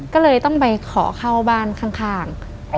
ก็เลยต้องไปขอเข้าบ้านข้าง